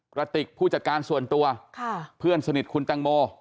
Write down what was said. กระติกผู้จัดการส่วนตัวเพื่อนสนิทคุณแตงโม